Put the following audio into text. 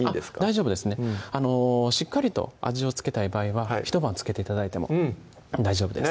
大丈夫ですねしっかりと味を付けたい場合はひと晩つけて頂いても大丈夫です